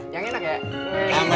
yang enak ya